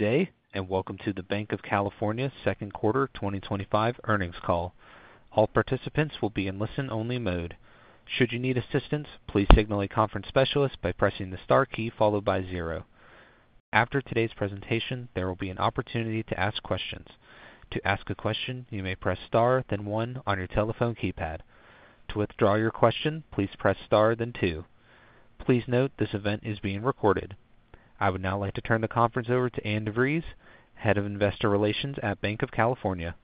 Today, and welcome to the Banc of California's Second Quarter 2025 Earnings Call. All participants will be in listen-only mode. Should you need assistance, please signal a conference specialist by pressing the star key followed by zero. After today's presentation, there will be an opportunity to ask questions. To ask a question, you may press star, then one on your telephone keypad. To withdraw your question, please press star, then two. Please note this event is being recorded. I would now like to turn the conference over to Ann DeVries, Head of Investor Relations at Banc of California.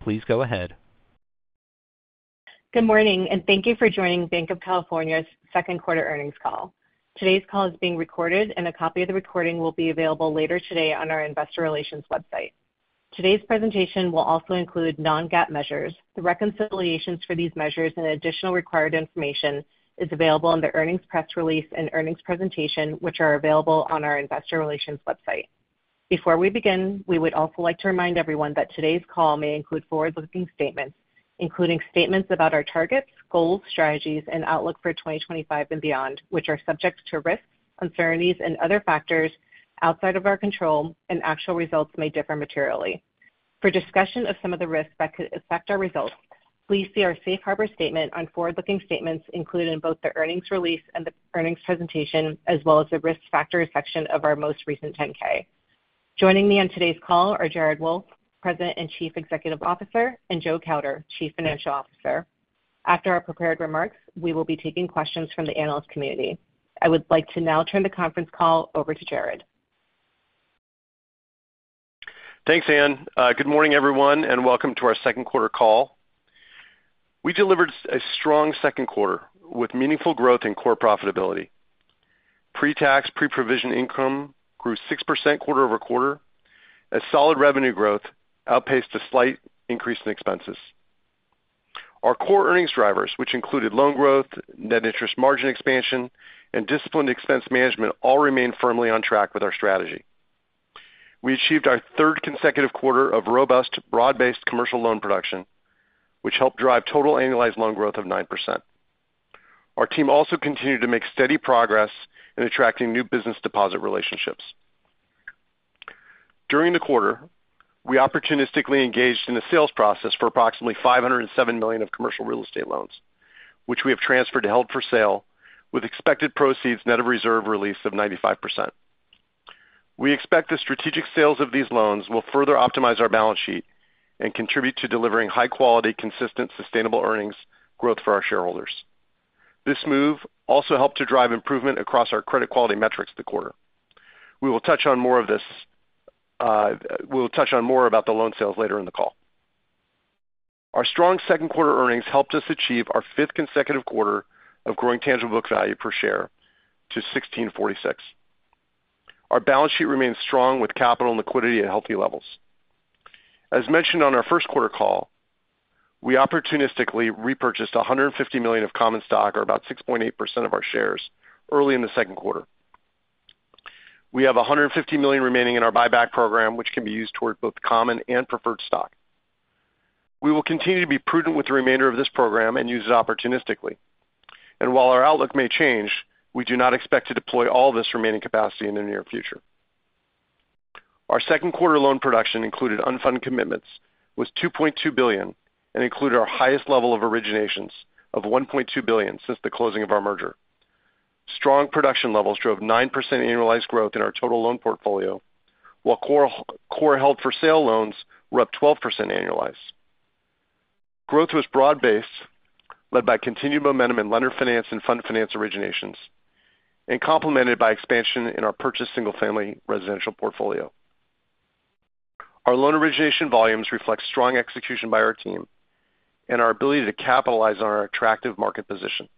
Please go ahead. Good morning, and thank you for joining Banc of California's Second Quarter Earnings Call. Today's call is being recorded, and a copy of the recording will be available later today on our investor relations website. Today's presentation will also include non-GAAP measures. The reconciliations for these measures and additional required information are available in the earnings press release and earnings presentation, which are available on our Investor Relations website. Before we begin, we would also like to remind everyone that today's call may include forward-looking statements, including statements about our targets, goals, strategies, and outlook for 2025 and beyond, which are subject to risks, uncertainties, and other factors outside of our control, and actual results may differ materially. For discussion of some of the risks that could affect our results, please see our safe harbor statement on forward-looking statements included in both the earnings release and the earnings presentation, as well as the risk factors section of our most recent 10-K. Joining me on today's call are Jared Wolff, President and Chief Executive Officer, and Joe Kauder, Chief Financial Officer. After our prepared remarks, we will be taking questions from the analyst community. I would like to now turn the conference call over to Jared. Thanks, Ann. Good morning, everyone, and welcome to our second quarter call. We delivered a strong second quarter with meaningful growth in core profitability. Pre-tax, pre-provision income grew 6% quarter-over-quarter, as solid revenue growth outpaced the slight increase in expenses. Our core earnings drivers, which included loan growth, net interest margin expansion, and disciplined expense management, all remained firmly on track with our strategy. We achieved our third consecutive quarter of robust, broad-based commercial loan production, which helped drive total annualized loan growth of 9%. Our team also continued to make steady progress in attracting new business deposit relationships. During the quarter, we opportunistically engaged in the sales process for approximately $507 million of commercial real estate loans, which we have transferred to Held for Sale, with expected proceeds net of reserve release of 95%. We expect the strategic sales of these loans will further optimize our balance sheet and contribute to delivering high-quality, consistent, sustainable earnings growth for our shareholders. This move also helped to drive improvement across our credit quality metrics this quarter. We will touch on more about the loan sales later in the call. Our strong second quarter earnings helped us achieve our fifth consecutive quarter of growing tangible book value per share to $16.46. Our balance sheet remains strong with capital and liquidity at healthy levels. As mentioned on our first quarter call, we opportunistically repurchased $150 million of common stock, or about 6.8% of our shares, early in the second quarter. We have $150 million remaining in our buyback program, which can be used towards both common and preferred stock. We will continue to be prudent with the remainder of this program and use it opportunistically. While our outlook may change, we do not expect to deploy all of this remaining capacity in the near future. Our second quarter loan production included unfunded commitments, was $2.2 billion, and included our highest level of originations of $1.2 billion since the closing of our merger. Strong production levels drove 9% annualized growth in our total loan portfolio, while core Held for Sale loans were up 12% annualized. Growth was broad-based, led by continued momentum in Lender Finance and Fund Finance originations, and complemented by expansion in our purchased single-family residential portfolio. Our loan origination volumes reflect strong execution by our team and our ability to capitalize on our attractive market position.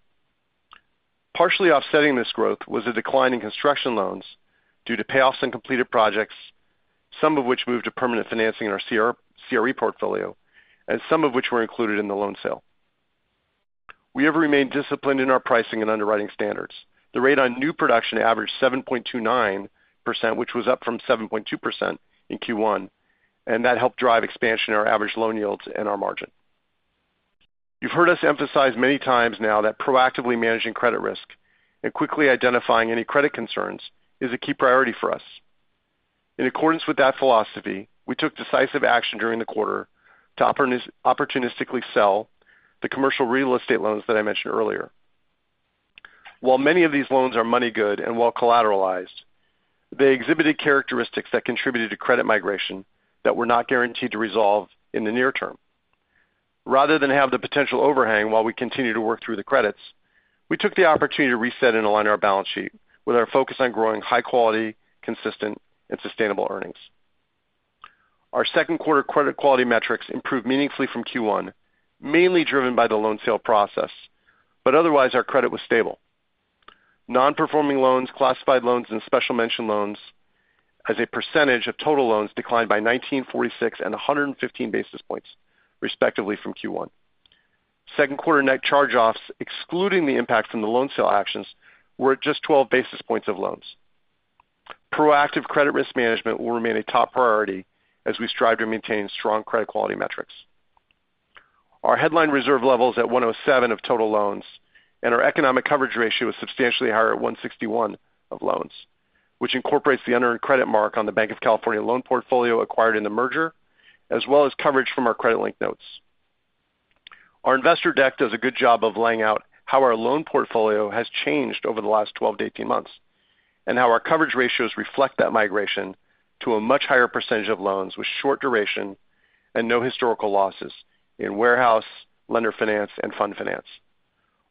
Partially offsetting this growth was a decline in construction loans due to payoffs and completed projects, some of which moved to permanent financing in our commercial real estate portfolio, and some of which were included in the loan sale. We have remained disciplined in our pricing and underwriting standards. The rate on new production averaged 7.29%, which was up from 7.2% in Q1, and that helped drive expansion in our average loan yields and our margin. You've heard us emphasize many times now that proactively managing credit risk and quickly identifying any credit concerns is a key priority for us. In accordance with that philosophy, we took decisive action during the quarter to opportunistically sell the commercial real estate loans that I mentioned earlier. While many of these loans are money good and well collateralized, they exhibited characteristics that contributed to credit migration that were not guaranteed to resolve in the near term. Rather than have the potential overhang while we continue to work through the credits, we took the opportunity to reset and align our balance sheet with our focus on growing high-quality, consistent, and sustainable earnings. Our second quarter credit quality metrics improved meaningfully from Q1, mainly driven by the loan sale process, but otherwise our credit was stable. Non-performing loans, classified loans, and special mention loans, as a percentage of total loans, declined by $19.46 and 115 basis points, respectively from Q1. Second quarter net charge-offs, excluding the impact from the loan sale actions, were at just 12 basis points of loans. Proactive credit risk management will remain a top priority as we strive to maintain strong credit quality metrics. Our headline reserve level is at 107% of total loans, and our Economic Coverage Ratio is substantially higher at 161% of loans, which incorporates the unearned credit mark on the Banc of California loan portfolio acquired in the merger, as well as coverage from our Credit Link Notes. Our investor deck does a good job of laying out how our loan portfolio has changed over the last 12-18 months and how our coverage ratios reflect that migration to a much higher percentage of loans with short duration and no historical losses in warehouse, Lender Finance, and Fund Finance.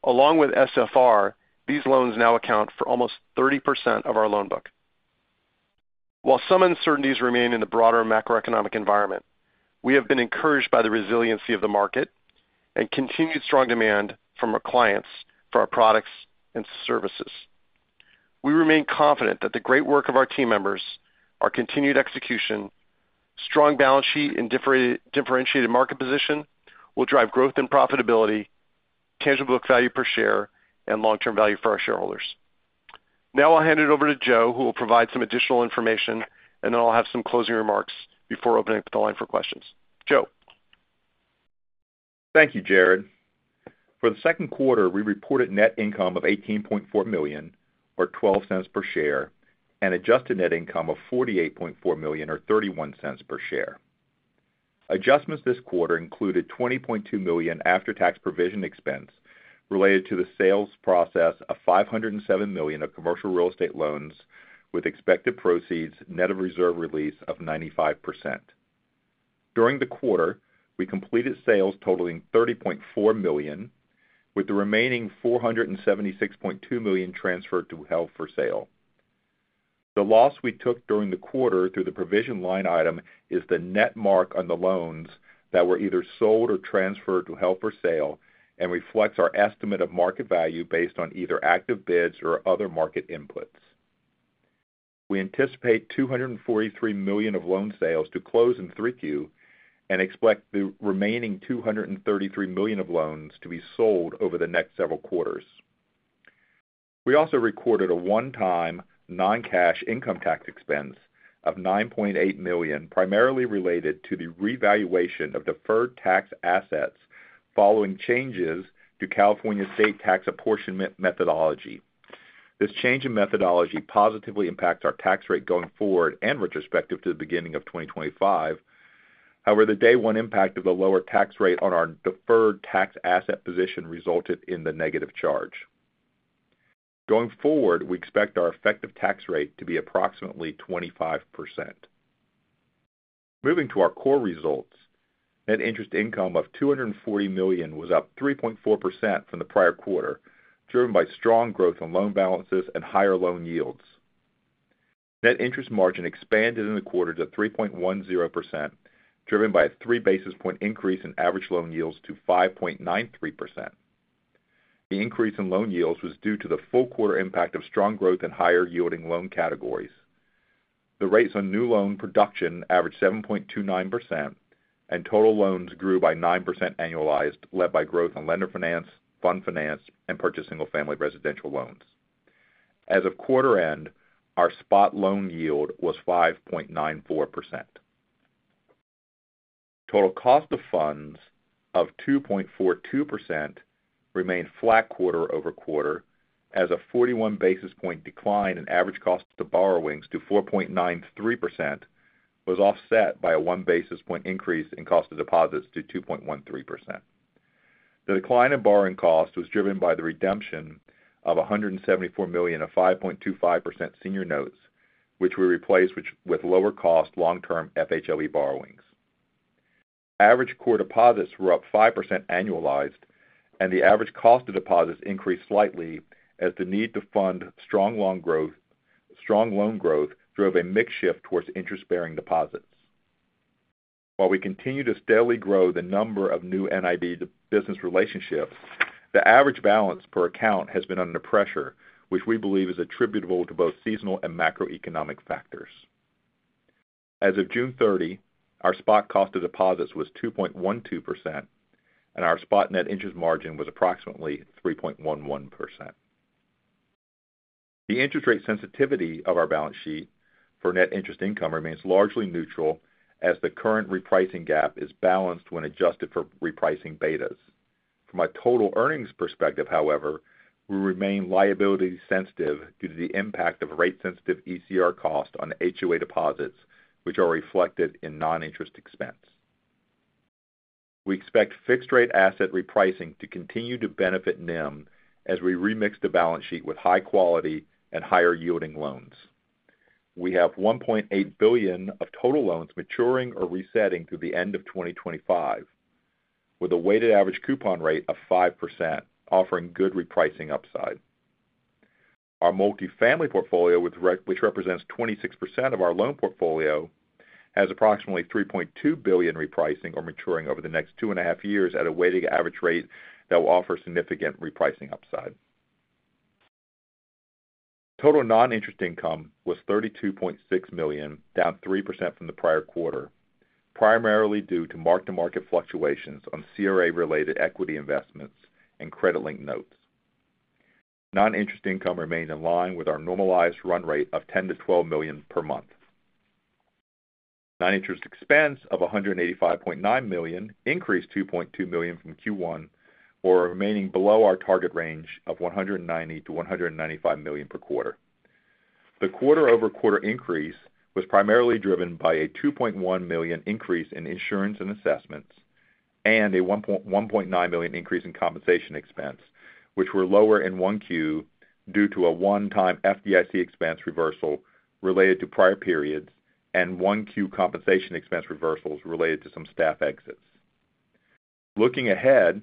Along with SFR, these loans now account for almost 30% of our loan book. While some uncertainties remain in the broader macroeconomic environment, we have been encouraged by the resiliency of the market and continued strong demand from our clients for our products and services. We remain confident that the great work of our team members, our continued execution, strong balance sheet, and differentiated market position will drive growth in profitability, tangible book value per share, and long-term value for our shareholders. Now I'll hand it over to Joe, who will provide some additional information, and then I'll have some closing remarks before opening up the line for questions. Joe? Thank you, Jared. For the second quarter, we reported net income of $18.4 million, or $0.12 per share, and adjusted net income of $48.4 million, or $0.31 per share. Adjustments this quarter included $20.2 million after-tax provision expense related to the sales process of $507 million of commercial real estate loans, with expected proceeds net of reserve release of 95%. During the quarter, we completed sales totaling $30.4 million, with the remaining $476.2 million transferred to Held for Sale. The loss we took during the quarter through the provision line item is the net mark on the loans that were either sold or transferred to Held for Sale and reflects our estimate of market value based on either active bids or other market inputs. We anticipate $243 million of loan sales to close in 3Q and expect the remaining $233 million of loans to be sold over the next several quarters. We also recorded a one-time non-cash income tax expense of $9.8 million, primarily related to the revaluation of deferred tax assets following changes to California state tax apportionment methodology. This change in methodology positively impacts our tax rate going forward and retrospective to the beginning of 2025. However, the day-one impact of the lower tax rate on our deferred tax asset position resulted in the negative charge. Going forward, we expect our effective tax rate to be approximately 25%. Moving to our core results, net interest income of $240 million was up 3.4% from the prior quarter, driven by strong growth in loan balances and higher loan yields. Net interest margin expanded in the quarter to 3.10%, driven by a three-basis point increase in average loan yields to 5.93%. The increase in loan yields was due to the full quarter impact of strong growth in higher yielding loan categories. The rates on new loan production averaged 7.29%, and total loans grew by 9% annualized, led by growth in Lender Finance, Fund Finance, and purchased single-family residential loans. As of quarter end, our spot loan yield was 5.94%. Total cost of funds of 2.42% remained flat quarter-over-quarter, as a 41 basis point decline in average cost of the borrowings to 4.93% was offset by a one basis point increase in cost of deposits to 2.13%. The decline in borrowing cost was driven by the redemption of $174 million of 5.25% senior notes, which were replaced with lower cost long-term FHLB borrowings. Average core deposits were up 5% annualized, and the average cost of deposits increased slightly as the need to fund strong loan growth drove a mix shift towards interest-bearing deposits. While we continue to steadily grow the number of new NID business relationships, the average balance per account has been under pressure, which we believe is attributable to both seasonal and macroeconomic factors. As of June 30, our spot cost of deposits was 2.12%, and our spot net interest margin was approximately 3.11%. The interest rate sensitivity of our balance sheet for net interest income remains largely neutral, as the current repricing gap is balanced when adjusted for repricing betas. From a total earnings perspective, however, we remain liability sensitive due to the impact of rate-sensitive ECR cost on HOA deposits, which are reflected in non-interest expense. We expect fixed-rate asset repricing to continue to benefit NIM as we remix the balance sheet with high-quality and higher yielding loans. We have $1.8 billion of total loans maturing or resetting through the end of 2025, with a weighted average coupon rate of 5%, offering good repricing upside. Our multifamily portfolio, which represents 26% of our loan portfolio, has approximately $3.2 billion repricing or maturing over the next two and a half years at a weighted average rate that will offer significant repricing upside. Total non-interest income was $32.6 million, down 3% from the prior quarter, primarily due to mark-to-market fluctuations on CRA-related equity investments and Credit Link Notes. Non-interest income remained in line with our normalized run rate of $10-$12 million per month. Non-interest expense of $185.9 million increased $2.2 million from Q1, while remaining below our target range of $190 to $195 million per quarter. The quarter-over-quarter increase was primarily driven by a $2.1 million increase in insurance and assessments and a $1.9 million increase in compensation expense, which were lower in Q1 due to a one-time FDIC expense reversal related to prior periods and Q1 compensation expense reversals related to some staff exits. Looking ahead,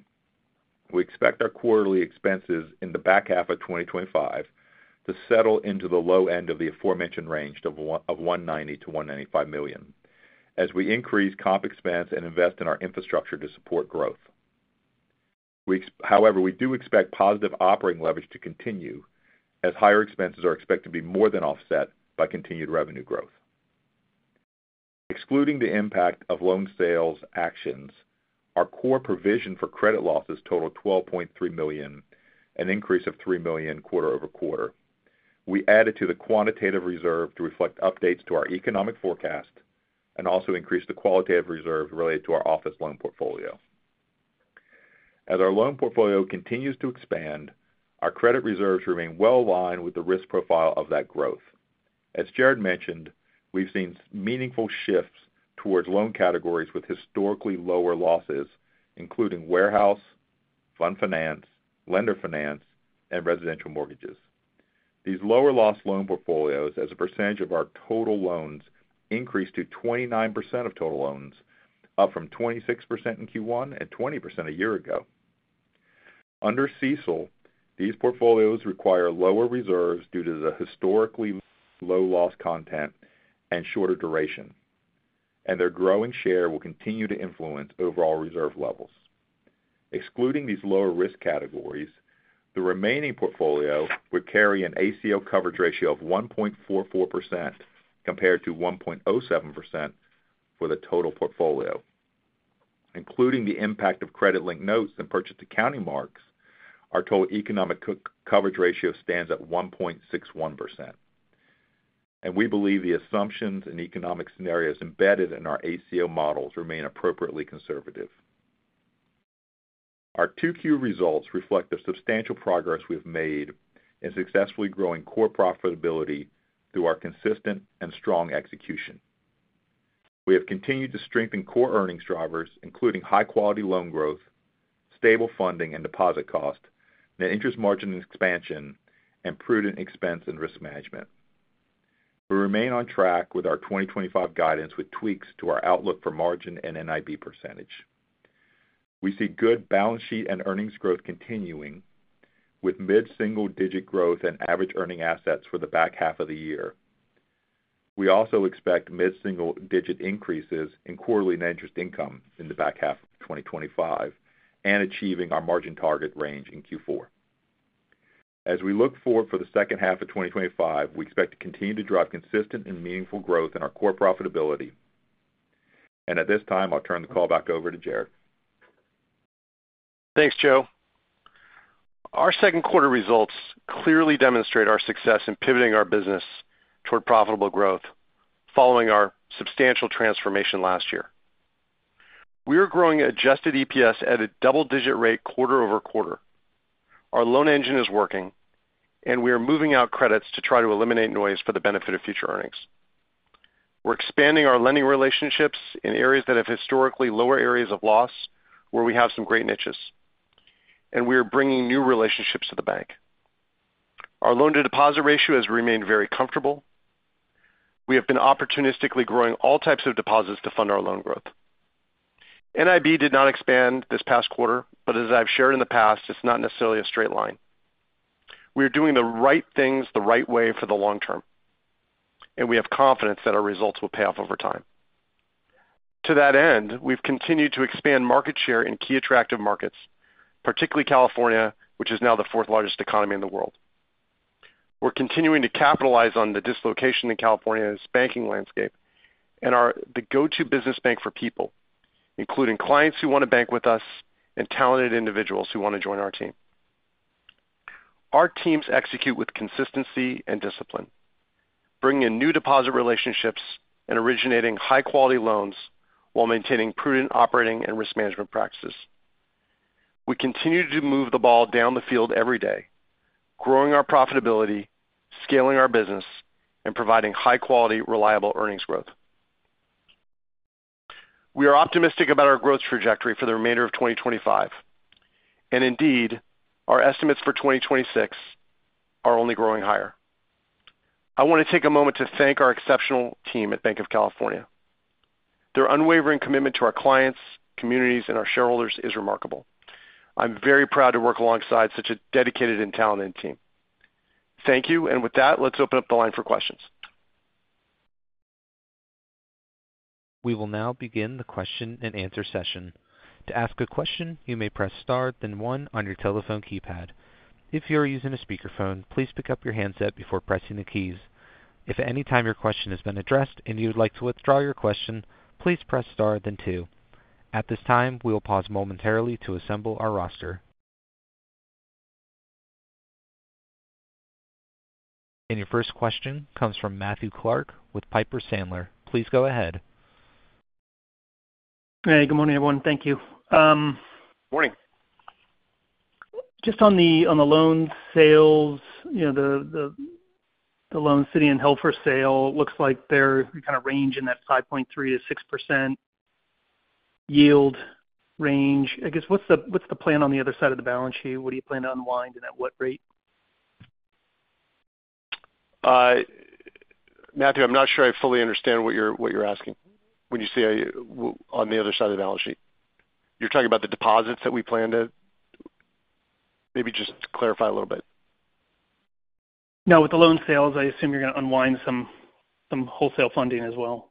we expect our quarterly expenses in the back half of 2025 to settle into the low end of the aforementioned range of $190 to $195 million as we increase comp expense and invest in our infrastructure to support growth. However, we do expect positive operating leverage to continue as higher expenses are expected to be more than offset by continued revenue growth. Excluding the impact of loan sales actions, our core provision for credit losses totaled $12.3 million, an increase of $3 million quarter-over-quarter. We added to the quantitative reserve to reflect updates to our economic forecast and also increased the qualitative reserve related to our office loan portfolio. As our loan portfolio continues to expand, our credit reserves remain well aligned with the risk profile of that growth. As Jared mentioned, we've seen meaningful shifts towards loan categories with historically lower losses, including warehouse, Fund Finance, Lender Finance, and residential mortgages. These lower loss loan portfolios, as a percentage of our total loans, increased to 29% of total loans, up from 26% in Q1 and 20% a year ago. Under CECL, these portfolios require lower reserves due to the historically low loss content and shorter duration, and their growing share will continue to influence overall reserve levels. Excluding these lower risk categories, the remaining portfolio would carry an ACL Coverage Ratio of 1.44% compared to 1.07% for the total portfolio. Including the impact of Credit Link Notes and purchased accounting marks, our total Economic Coverage Ratio stands at 1.61%, and we believe the assumptions and economic scenarios embedded in our ACL models remain appropriately conservative. Our 2Q results reflect the substantial progress we've made in successfully growing core profitability through our consistent and strong execution. We have continued to strengthen core earnings drivers, including high-quality loan growth, stable funding and deposit cost, net interest margin expansion, and prudent expense and risk management. We remain on track with our 2025 guidance with tweaks to our outlook for margin and NII percentage. We see good balance sheet and earnings growth continuing with mid-single-digit growth in average earning assets for the back half of the year. We also expect mid-single-digit increases in quarterly net interest income in the back half of 2025 and achieving our margin target range in Q4. As we look forward to the second half of 2025, we expect to continue to drive consistent and meaningful growth in our core profitability. At this time, I'll turn the call back over to Jared. Thanks, Joe. Our second quarter results clearly demonstrate our success in pivoting our business toward profitable growth following our substantial transformation last year. We are growing adjusted EPS at a double-digit rate quarter-over-quarter. Our loan engine is working, and we are moving out credits to try to eliminate noise for the benefit of future earnings. We're expanding our lending relationships in areas that have historically lower areas of loss, where we have some great niches, and we are bringing new relationships to the bank. Our loan-to-deposit ratio has remained very comfortable. We have been opportunistically growing all types of deposits to fund our loan growth. NII did not expand this past quarter, but as I've shared in the past, it's not necessarily a straight line. We are doing the right things the right way for the long term, and we have confidence that our results will pay off over time. To that end, we've continued to expand market share in key attractive markets, particularly California, which is now the world's fourth-largest economy. We're continuing to capitalize on the dislocation in California's banking landscape and are the go-to business bank for people, including clients who want to bank with us and talented individuals who want to join our team. Our teams execute with consistency and discipline, bringing in new deposit relationships and originating high-quality loans while maintaining prudent operating and risk management practices. We continue to move the ball down the field every day, growing our profitability, scaling our business, and providing high-quality, reliable earnings growth. We are optimistic about our growth trajectory for the remainder of 2025, and indeed, our estimates for 2026 are only growing higher. I want to take a moment to thank our exceptional team at Banc of California. Their unwavering commitment to our clients, communities, and our shareholders is remarkable. I'm very proud to work alongside such a dedicated and talented team. Thank you, and with that, let's open up the line for questions. We will now begin the question and answer session. To ask a question, you may press star, then one on your telephone keypad. If you are using a speakerphone, please pick up your handset before pressing the keys. If at any time your question has been addressed and you would like to withdraw your question, please press star, then two. At this time, we will pause momentarily to assemble our roster. Your first question comes from Matthew Clark with Piper Sandler. Please go ahead. Hey, good morning, everyone. Thank you. Morning. Just on the loan sales, the loans sitting in Held for Sale look like they kind of range in that 5.3% to 6% yield range. I guess what's the plan on the other side of the balance sheet? What do you plan to unwind and at what rate? Matthew, I'm not sure I fully understand what you're asking when you say on the other side of the balance sheet. You're talking about the deposits that we plan to, maybe just clarify a little bit. No, with the loan sales, I assume you're going to unwind some wholesale funding as well.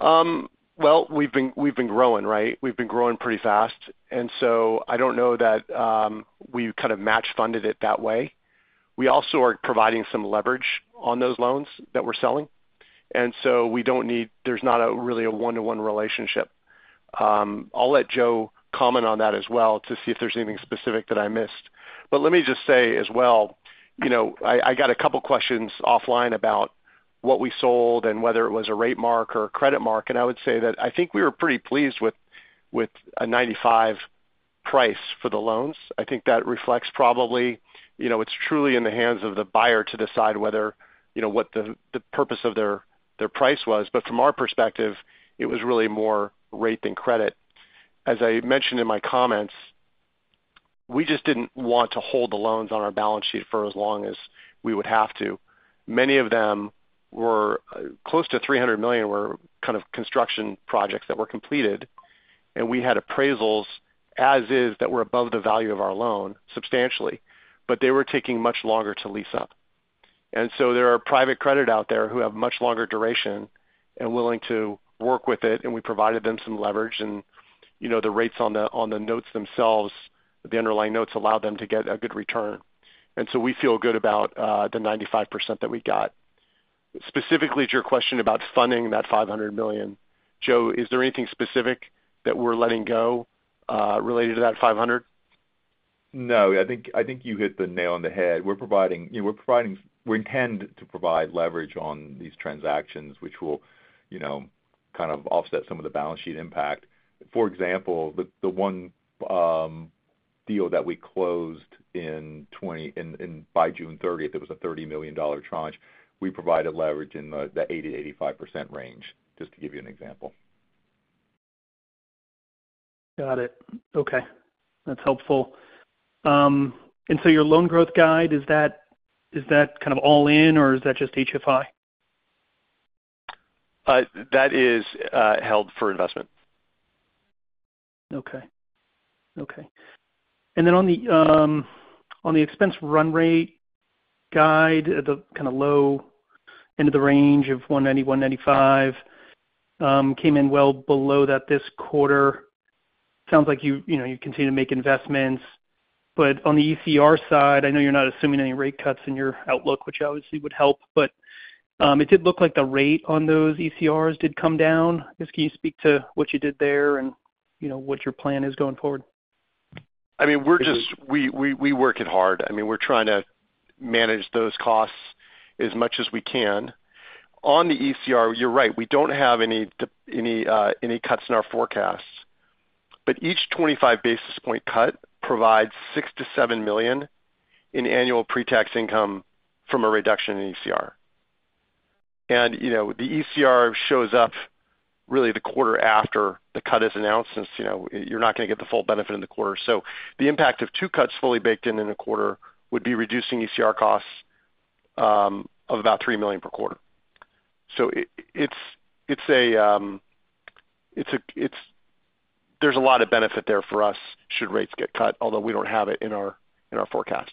We have been growing, right? We have been growing pretty fast. I do not know that we kind of match funded it that way. We also are providing some leverage on those loans that we are selling. There is not really a one-to-one relationship. I will let Joe comment on that as well to see if there is anything specific that I missed. Let me just say as well, I got a couple of questions offline about what we sold and whether it was a rate mark or a credit mark. I would say that I think we were pretty pleased with a $95 price for the loans. I think that reflects probably, it is truly in the hands of the buyer to decide what the purpose of their price was. From our perspective, it was really more rate than credit. As I mentioned in my comments, we just did not want to hold the loans on our balance sheet for as long as we would have to. Many of them were close to $300 million, were kind of construction projects that were completed. We had appraisals as is that were above the value of our loan substantially, but they were taking much longer to lease up. There are private credit out there who have much longer duration and are willing to work with it. We provided them some leverage. The rates on the notes themselves, the underlying notes, allowed them to get a good return. We feel good about the 95% that we got. Specifically to your question about funding that $500 million, Joe, is there anything specific that we are letting go related to that $500 million? No, I think you hit the nail on the head. We're providing, we intend to provide leverage on these transactions, which will kind of offset some of the balance sheet impact. For example, the one deal that we closed in 2020 and by June 30, it was a $30 million tranche. We provided leverage in the 80%-85% range, just to give you an example. Got it. Okay, that's helpful. Is your loan growth guide kind of all in, or is that just HFI? That is Held for Investment. Okay. On the expense run rate guide, the kind of low end of the range of $190-$195 came in well below that this quarter. It sounds like you continue to make investments. On the ECR side, I know you're not assuming any rate cuts in your outlook, which obviously would help, but it did look like the rate on those ECRs did come down. I guess, can you speak to what you did there and what your plan is going forward? We're just, we work it hard. We're trying to manage those costs as much as we can. On the ECR, you're right. We don't have any cuts in our forecasts. Each 25 basis point cut provides $6 to $7 million in annual pre-tax income from a reduction in ECR. The ECR shows up really the quarter after the cut is announced. You're not going to get the full benefit in the quarter. The impact of two cuts fully baked in in a quarter would be reducing ECR costs of about $3 million per quarter. There's a lot of benefit there for us should rates get cut, although we don't have it in our forecast.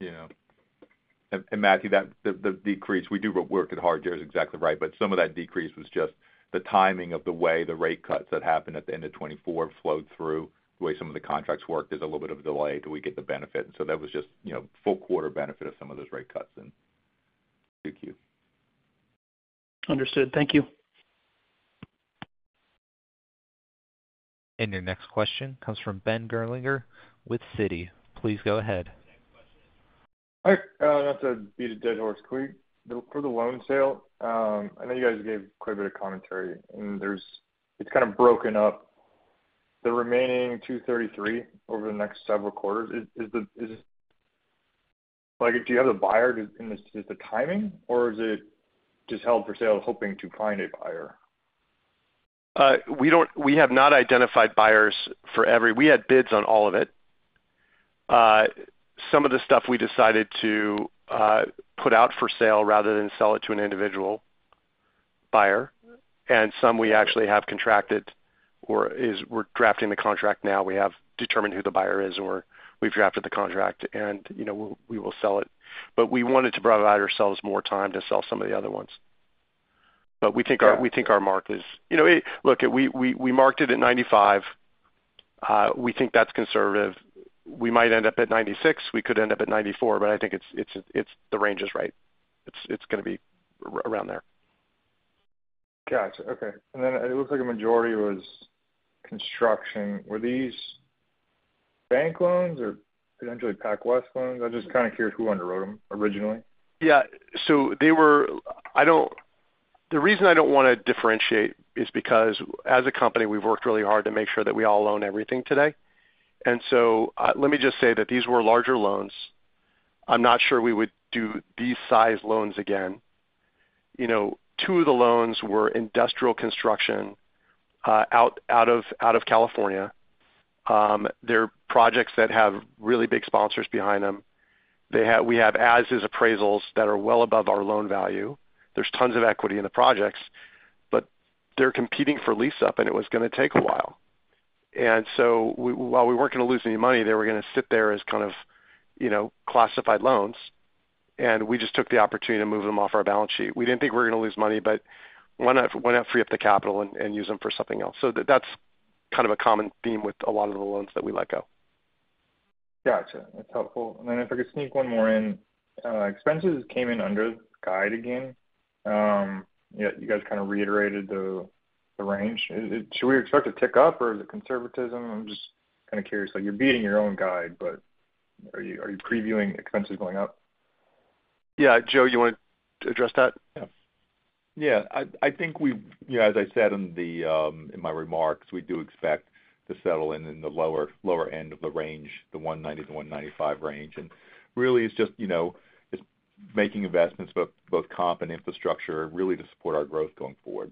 Yeah. Matthew, the decrease, we do work it hard. Joe's exactly right. Some of that decrease was just the timing of the way the rate cuts that happened at the end of 2024 flowed through. The way some of the contracts worked, there's a little bit of a delay until we get the benefit. That was just, you know, full quarter benefit of some of those rate cuts in 2Q. Understood. Thank you. Your next question comes from Ben Gerlinger with Citi. Please go ahead. Hi. I want to be the dead horse queen for the loan sale. I know you guys gave quite a bit of commentary, and it's kind of broken up. The remaining $233 million over the next several quarters, is it like, do you have the buyer in this? Is it the timing, or is it just Held for Sale hoping to find a buyer? We have not identified buyers for every asset. We had bids on all of it. Some of the assets we decided to put out for sale rather than sell to an individual buyer. Some we actually have contracted, or we are drafting the contract now. We have determined who the buyer is, or we have drafted the contract, and we will sell it. We wanted to provide ourselves more time to sell some of the other assets. We think our mark is, you know, look, we marked it at $95. We think that's conservative. We might end up at $96. We could end up at $94. I think the range is right. It's going to be around there. Gotcha. Okay. It looks like a majority was construction. Were these bank loans or potentially PacWest loans? I'm just kind of curious who underwrote them originally. Yeah. They were, I don't, the reason I don't want to differentiate is because as a company, we've worked really hard to make sure that we all own everything today. Let me just say that these were larger loans. I'm not sure we would do these size loans again. Two of the loans were industrial construction out of California. They're projects that have really big sponsors behind them. We have as-is appraisals that are well above our loan value. There's tons of equity in the projects, but they're competing for lease-up, and it was going to take a while. While we weren't going to lose any money, they were going to sit there as kind of classified loans. We just took the opportunity to move them off our balance sheet. We didn't think we were going to lose money, but why not free up the capital and use them for something else? That's kind of a common theme with a lot of the loans that we let go. Gotcha. That's helpful. If I could sneak one more in, expenses came in under the guide again. You guys kind of reiterated the range. Should we expect to tick up, or is it conservatism? I'm just kind of curious. Like you're beating your own guide, but are you previewing expenses going up? Yeah, Joe, you want to address that? Yeah. I think we've, as I said in my remarks, we do expect to settle in the lower end of the range, the $190 to $195 range. It's just making investments for both comp and infrastructure to support our growth going forward.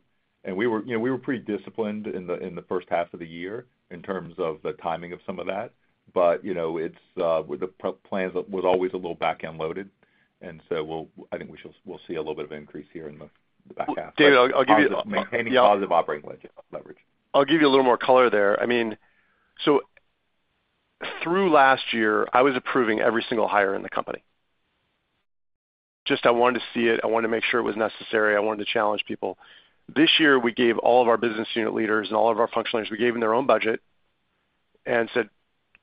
We were pretty disciplined in the first half of the year in terms of the timing of some of that. The plan was always a little back-end loaded. I think we'll see a little bit of an increase here in the back half. David, I'll give you a little more. I'll give you a little more color there. Through last year, I was approving every single hire in the company. I wanted to see it. I wanted to make sure it was necessary. I wanted to challenge people. This year, we gave all of our business unit leaders and all of our functional leaders their own budget and said,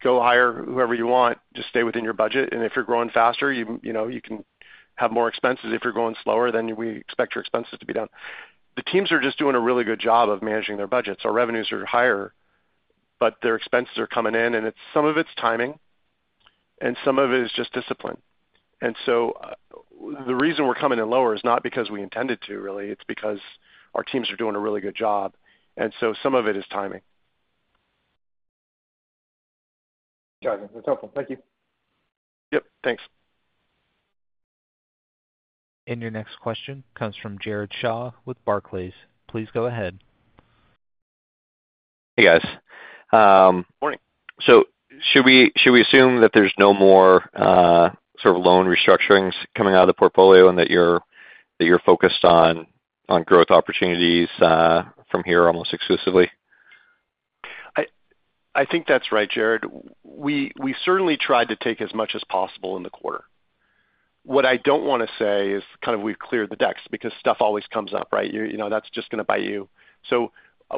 "Go hire whoever you want. Just stay within your budget. If you're growing faster, you can have more expenses. If you're growing slower, then we expect your expenses to be down." The teams are just doing a really good job of managing their budgets. Our revenues are higher, but their expenses are coming in, and some of it's timing and some of it is just discipline. The reason we're coming in lower is not because we intended to, really. It's because our teams are doing a really good job. Some of it is timing. Got it. That's helpful. Thank you. Yep. Thanks. Your next question comes from Jared Shaw with Barclays. Please go ahead. Hey, guys. Morning. Should we assume that there's no more sort of loan restructurings coming out of the portfolio and that you're focused on growth opportunities from here almost exclusively? I think that's right, Jared. We certainly tried to take as much as possible in the quarter. What I don't want to say is we've cleared the decks because stuff always comes up, right? You know, that's just going to bite you.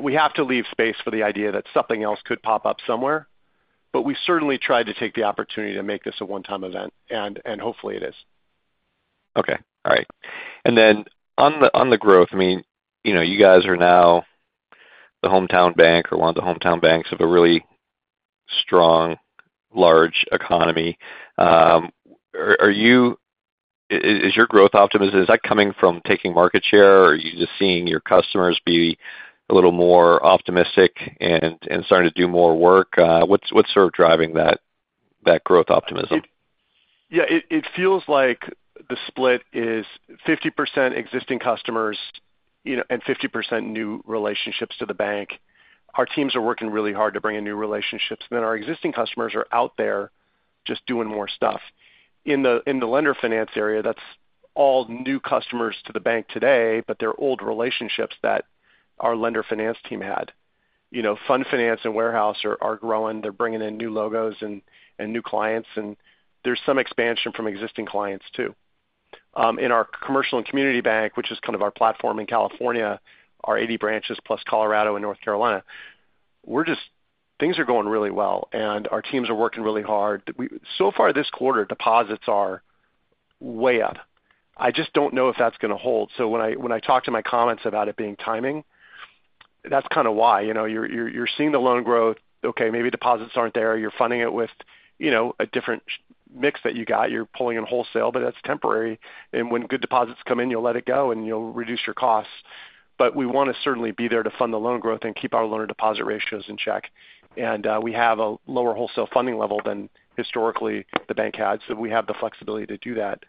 We have to leave space for the idea that something else could pop up somewhere. We certainly tried to take the opportunity to make this a one-time event, and hopefully, it is. All right. On the growth, you guys are now the hometown bank or one of the hometown banks of a really strong, large economy. Is your growth optimism coming from taking market share, or are you just seeing your customers be a little more optimistic and starting to do more work? What's sort of driving that growth optimism? Yeah. It feels like the split is 50% existing customers, you know, and 50% new relationships to the bank. Our teams are working really hard to bring in new relationships, and then our existing customers are out there just doing more stuff. In the Lender Finance area, that's all new customers to the bank today, but they're old relationships that our Lender Finance team had. You know, Fund Finance and warehouse are growing. They're bringing in new logos and new clients, and there's some expansion from existing clients too. In our commercial and community bank, which is kind of our platform in California, our 80 branches plus Colorado and North Carolina, things are going really well. Our teams are working really hard. So far this quarter, deposits are way up. I just don't know if that's going to hold. When I talk to my comments about it being timing, that's kind of why. You're seeing the loan growth. Okay, maybe deposits aren't there. You're funding it with, you know, a different mix that you got. You're pulling in wholesale, but that's temporary. When good deposits come in, you'll let it go and you'll reduce your costs. We want to certainly be there to fund the loan growth and keep our loan-to-deposit ratios in check. We have a lower wholesale funding level than historically the bank had, so we have the flexibility to do that.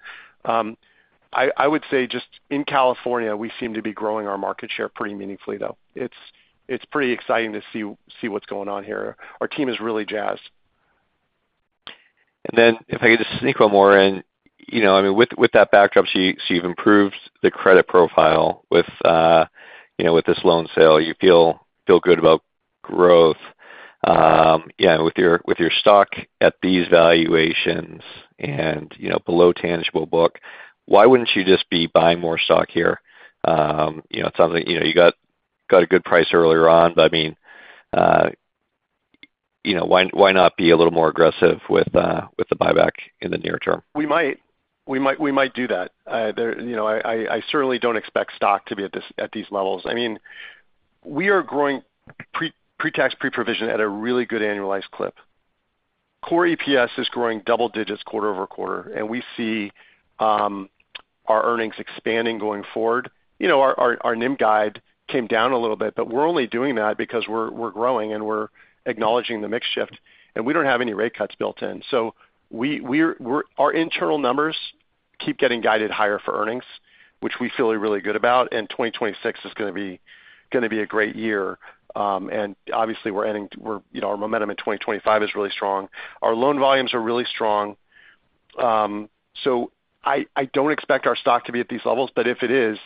I would say just in California, we seem to be growing our market share pretty meaningfully, though. It's pretty exciting to see what's going on here. Our team is really jazzed. If I could just sneak one more in, with that backdrop, you've improved the credit profile with this loan sale. You feel good about growth, and with your stock at these valuations and below tangible book, why wouldn't you just be buying more stock here? It sounds like you got a good price earlier on, but why not be a little more aggressive with the buyback in the near term? I certainly don't expect stock to be at these levels. I mean, we are growing pre-tax, pre-provision at a really good annualized clip. Core EPS is growing double digits quarter-over-quarter, and we see our earnings expanding going forward. Our NIM guide came down a little bit, but we're only doing that because we're growing and we're acknowledging the mix shift. We don't have any rate cuts built in. Our internal numbers keep getting guided higher for earnings, which we feel really good about. 2026 is going to be a great year. Obviously, our momentum in 2025 is really strong. Our loan volumes are really strong. I don't expect our stock to be at these levels, but if it is,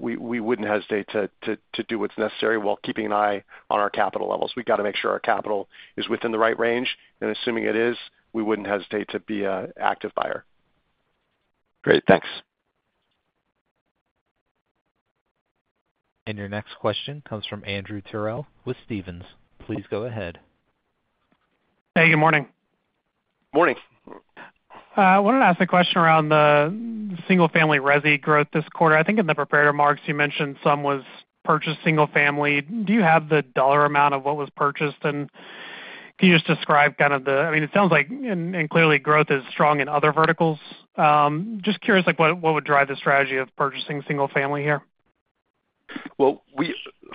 we wouldn't hesitate to do what's necessary while keeping an eye on our capital levels. We've got to make sure our capital is within the right range, and assuming it is, we wouldn't hesitate to be an active buyer. Great. Thanks. Your next question comes from Andrew Terrell with Stephens. Please go ahead. Hey, good morning. Morning. I wanted to ask a question around the single-family residential growth this quarter. I think in the prepared remarks, you mentioned some was purchased single-family. Do you have the dollar amount of what was purchased? Can you just describe, it sounds like growth is strong in other verticals. Just curious, what would drive the strategy of purchasing single-family here?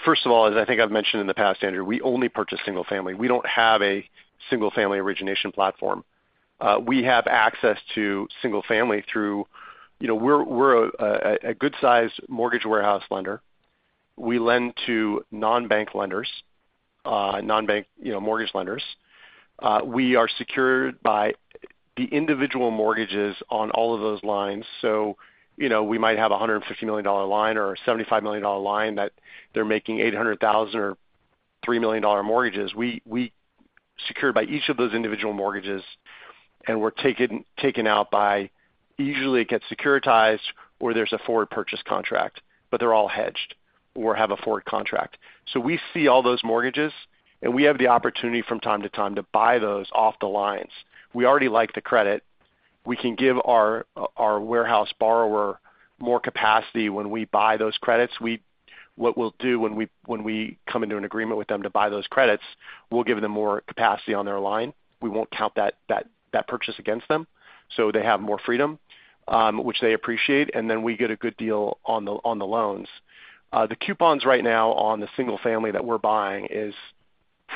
First of all, as I think I've mentioned in the past, Andrew, we only purchase single-family. We don't have a single-family origination platform. We have access to single-family through, you know, we're a good-sized mortgage warehouse lender. We lend to non-bank lenders, non-bank, you know, mortgage lenders. We are secured by the individual mortgages on all of those lines. You know, we might have a $150 million line or a $75 million line that they're making $800,000 or $3 million mortgages. We're secured by each of those individual mortgages, and we're taken out by, usually, it gets securitized or there's a forward purchase contract, but they're all hedged or have a forward contract. We see all those mortgages, and we have the opportunity from time to time to buy those off the lines. We already like the credit. We can give our warehouse borrower more capacity when we buy those credits. What we'll do when we come into an agreement with them to buy those credits, we'll give them more capacity on their line. We won't count that purchase against them. They have more freedom, which they appreciate, and then we get a good deal on the loans. The coupons right now on the single-family that we're buying are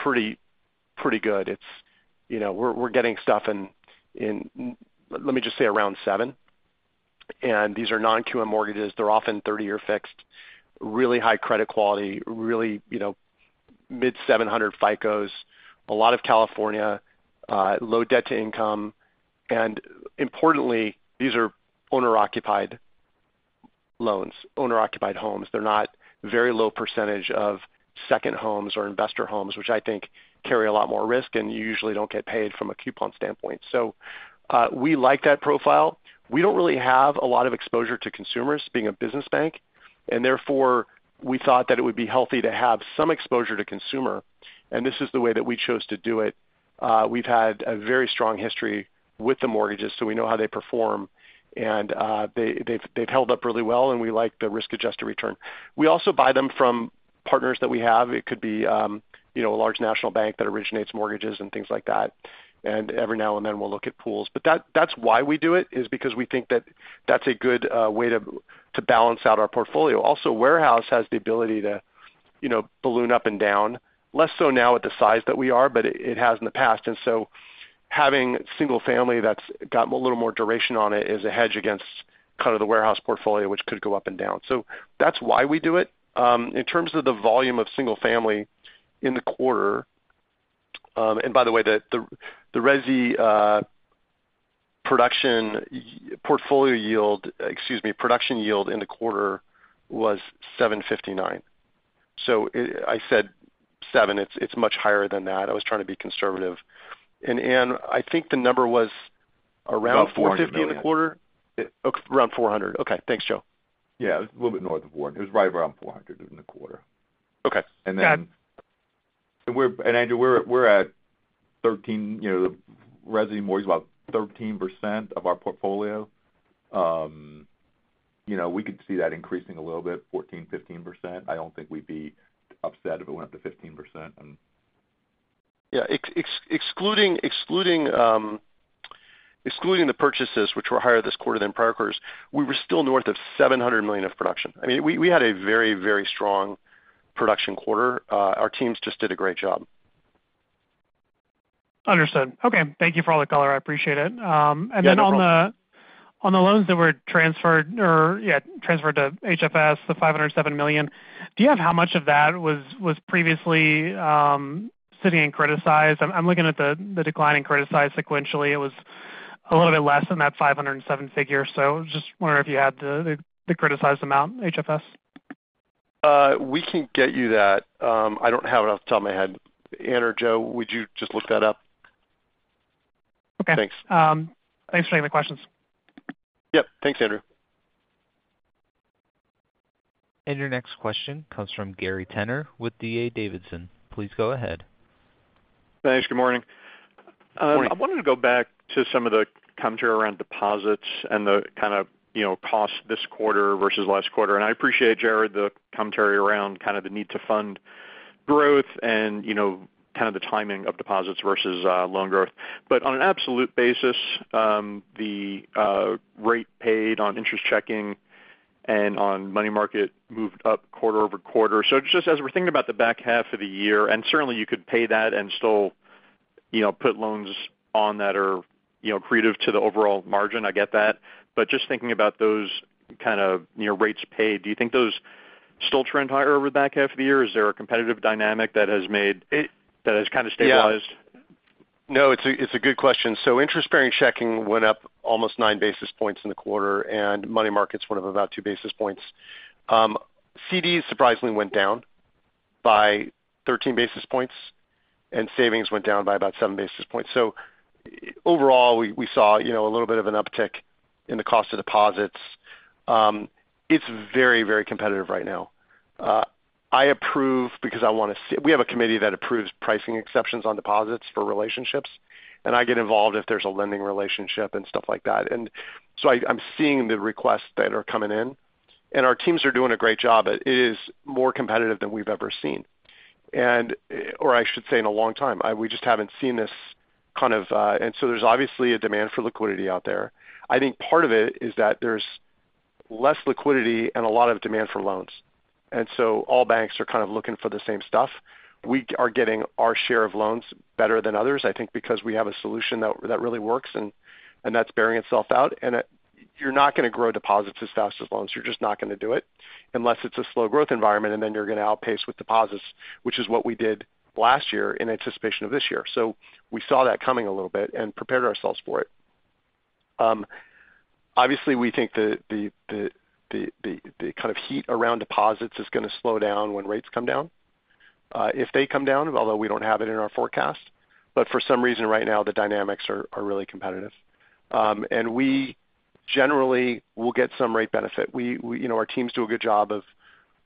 pretty, pretty good. It's, you know, we're getting stuff in, let me just say, around 7%. These are non-QM mortgages. They're often 30-year fixed, really high credit quality, really, you know, mid-700 FICOs, a lot of California, low debt to income. Importantly, these are owner-occupied loans, owner-occupied homes. They're not, very low percentage of second homes or investor homes, which I think carry a lot more risk, and you usually don't get paid from a coupon standpoint. We like that profile. We don't really have a lot of exposure to consumers being a business bank. Therefore, we thought that it would be healthy to have some exposure to consumer, and this is the way that we chose to do it. We've had a very strong history with the mortgages, so we know how they perform. They've held up really well, and we like the risk-adjusted return. We also buy them from partners that we have. It could be, you know, a large national bank that originates mortgages and things like that. Every now and then, we'll look at pools. That's why we do it, because we think that that's a good way to balance out our portfolio. Also, warehouse has the ability to balloon up and down. Less so now with the size that we are, but it has in the past. Having single-family that's got a little more duration on it is a hedge against kind of the warehouse portfolio, which could go up and down. That is why we do it. In terms of the volume of single-family in the quarter, and by the way, the resi production portfolio yield, excuse me, production yield in the quarter was $759. I said seven. It's much higher than that. I was trying to be conservative. Ann, I think the number was around $450 in the quarter. Around 400. Around $400. Okay. Thanks, Joe. Yeah, a little bit north of $400. It was right around $400 in the quarter. Okay. We're at 13, you know, the resi mortgage is about 13% of our portfolio. We could see that increasing a little bit, 14, 15%. I don't think we'd be upset if it went up to 15%. Excluding the purchases, which were higher this quarter than prior quarters, we were still north of $700 million of production. I mean, we had a very, very strong production quarter. Our teams just did a great job. Understood. Okay. Thank you for all the color. I appreciate it. On the loans that were transferred to HFS, the $507 million, do you have how much of that was previously sitting in criticized? I'm looking at the decline in criticized sequentially. It was a little bit less than that $507 million figure. I was just wondering if you had the criticized amount HFS. We can get you that. I don't have it off the top of my head. Ann or Joe, would you just look that up? Okay. Thanks. Thanks for taking the questions. Yep. Thanks, Andrew. Your next question comes from Gary Tenner with D.A. Davidson. Please go ahead. Thanks. Good morning. I wanted to go back to some of the commentary around deposits and the kind of, you know, cost this quarter versus last quarter. I appreciate, Jared, the commentary around kind of the need to fund growth and, you know, kind of the timing of deposits versus loan growth. On an absolute basis, the rate paid on interest checking and on money market moved up quarter-over-quarter. Just as we're thinking about the back half of the year, and certainly you could pay that and still, you know, put loans on that are, you know, creative to the overall margin. I get that. Just thinking about those kind of, you know, rates paid, do you think those still trend higher over the back half of the year? Is there a competitive dynamic that has made it, that has kind of stabilized? Yeah. No, it's a good question. Interest bearing checking went up almost nine basis points in the quarter, and money markets went up about two basis points. CD surprisingly went down by 13 basis points, and savings went down by about seven basis points. Overall, we saw a little bit of an uptick in the cost of deposits. It's very, very competitive right now. I approve because I want to see, we have a committee that approves pricing exceptions on deposits for relationships. I get involved if there's a lending relationship and stuff like that. I'm seeing the requests that are coming in, and our teams are doing a great job. It is more competitive than we've ever seen, or I should say in a long time. We just haven't seen this kind of, and there's obviously a demand for liquidity out there. I think part of it is that there's less liquidity and a lot of demand for loans. All banks are kind of looking for the same stuff. We are getting our share of loans better than others, I think, because we have a solution that really works, and that's bearing itself out. You're not going to grow deposits as fast as loans. You're just not going to do it unless it's a slow growth environment, and then you're going to outpace with deposits, which is what we did last year in anticipation of this year. We saw that coming a little bit and prepared ourselves for it. Obviously, we think the kind of heat around deposits is going to slow down when rates come down. If they come down, although we don't have it in our forecast, for some reason right now, the dynamics are really competitive. We generally will get some rate benefit. Our teams do a good job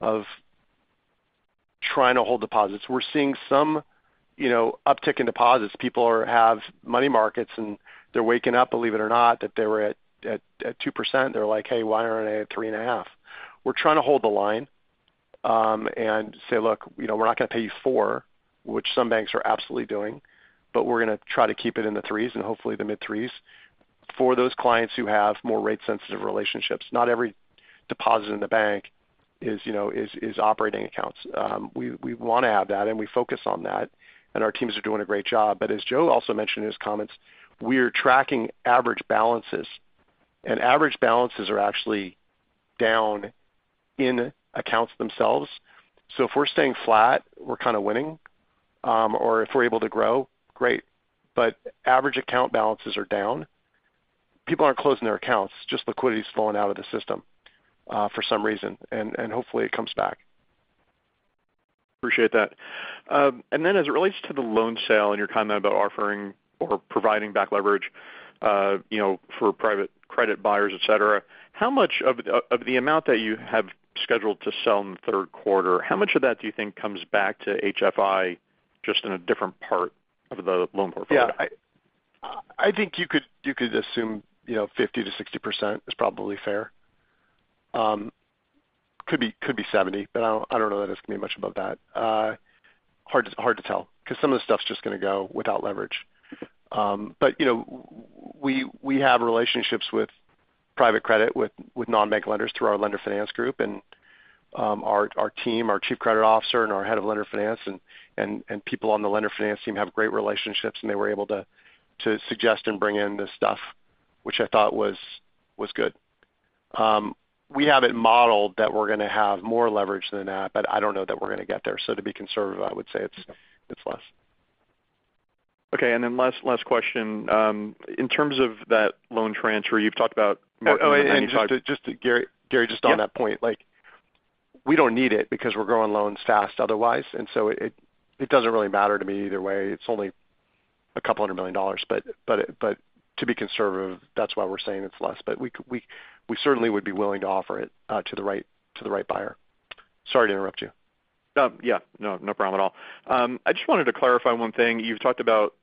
of trying to hold deposits. We're seeing some uptick in deposits. People have money markets, and they're waking up, believe it or not, that they were at 2%. They're like, "Hey, why aren't I at 3.5%?" We're trying to hold the line and say, "Look, we're not going to pay you 4%," which some banks are absolutely doing, but we're going to try to keep it in the 3% and hopefully the mid-3% for those clients who have more rate-sensitive relationships. Not every deposit in the bank is operating accounts. We want to have that, and we focus on that. Our teams are doing a great job. As Joe also mentioned in his comments, we are tracking average balances. Average balances are actually down in accounts themselves. If we're staying flat, we're kind of winning. If we're able to grow, great. Average account balances are down. People aren't closing their accounts, just liquidity is falling out of the system for some reason. Hopefully, it comes back. Appreciate that. As it relates to the loan sale and your comment about offering or providing back leverage, for private credit buyers, etc., how much of the amount that you have scheduled to sell in the third quarter, how much of that do you think comes back to HFI just in a different part of the loan portfolio? Yeah, I think you could assume, you know, 50%-60% is probably fair. Could be 70%, but I don't know that it's going to be much above that. It is hard to tell because some of the stuff is just going to go without leverage. We have relationships with private credit, with non-bank lenders through our Lender Finance group. Our team, our Chief Credit Officer, our Head of Lender Finance, and people on the Lender Finance team have great relationships, and they were able to suggest and bring in this stuff, which I thought was good. We have it modeled that we're going to have more leverage than that, but I don't know that we're going to get there. To be conservative, I would say it's less. Okay. In terms of that loan transfer you've talked about, just to, Gary, just on that point, like we don't need it because we're growing loans fast otherwise. It doesn't really matter to me either way. It's only a couple hundred million dollars. To be conservative, that's why we're saying it's less. We certainly would be willing to offer it to the right buyer. Sorry to interrupt you. No problem at all. I just wanted to clarify one thing. You've talked about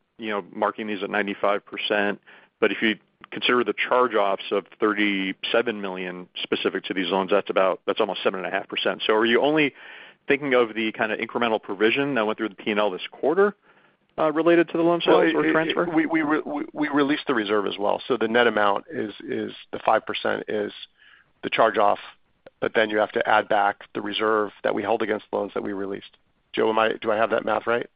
marking these at 95%. If you consider the charge-offs of $37 million specific to these loans, that's almost 7.5%. Are you only thinking of the kind of incremental provision that went through the P&L this quarter related to the loan sales or transfer? We released the reserve as well. The net amount is the 5% is the charge-off, but then you have to add back the reserve that we held against the loans that we released. Joe, do I have that math right?